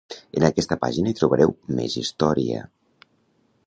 En aquesta pàgina hi trobareu més història.